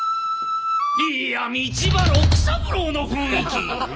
いや道場六三郎の雰囲気！